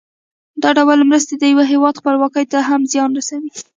دا ډول مرستې د یو هېواد خپلواکۍ ته هم زیان رسوي.